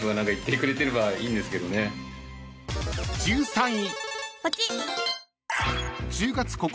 ［１３位］